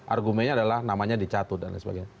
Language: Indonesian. argumennya adalah namanya dicatut dan lain sebagainya